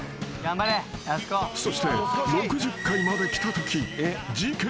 ［そして６０階まで来たとき］